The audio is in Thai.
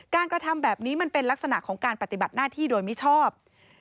กระทำแบบนี้มันเป็นลักษณะของการปฏิบัติหน้าที่โดยมิชอบ